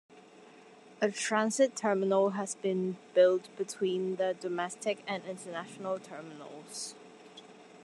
A transit terminal has been built between the domestic and international terminals.